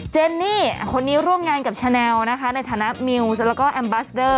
เจนนี่คนนี้ร่วมงานกับชาแนลนะคะในฐานะมิวแล้วก็แอมบัสเดอร์